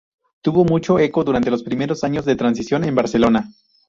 Tuvo mucho eco durante los primeros años de la transición en Barcelona.